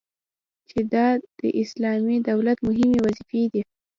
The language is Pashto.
چي دا د اسلامي دولت مهمي وظيفي دي